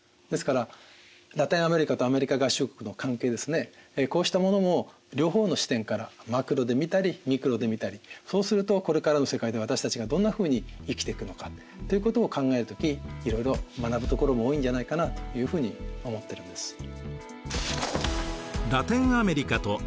ですからラテンアメリカとアメリカ合衆国の関係ですねこうしたものも両方の視点からマクロで見たりミクロで見たりそうするとこれからの世界で私たちがどんなふうに生きてくのかということを考える時いろいろ学ぶところも多いんじゃないかなというふうに思ってるんです。